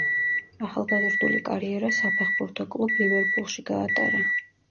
ახალგაზრდული კარიერა საფეხბურთო კლუბ „ლივერპულში“ გაატარა.